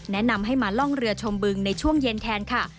แนะนำให้มาล่องเรือชมบึงในช่วงเย็นแทนค่ะ